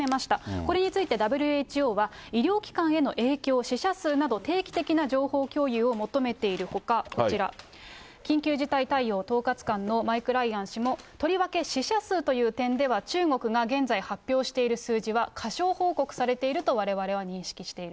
これについてＷＨＯは、医療機関への影響、死者数など定期的な情報共有を求めているほか、こちら、緊急事態対応統括官のマイク・ライアン氏もとりわけ死者数という点では、中国が現在発表している数字は過少報告されているとわれわれは認識している。